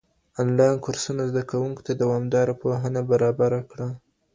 انلاين کورسونه زده کوونکو ته دوامداره پوهنه برابر کړه.